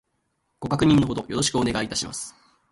ご確認の程よろしくお願いいたします